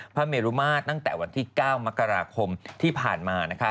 เมรุมาตรตั้งแต่วันที่๙มกราคมที่ผ่านมา